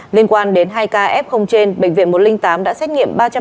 liên quan đến hai ca f trên bệnh viện một trăm linh tám đã xét nghiệm